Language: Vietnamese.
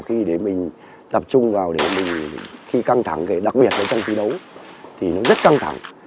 khi để mình tập trung vào để mình khi căng thẳng đặc biệt là trong thi đấu thì nó rất căng thẳng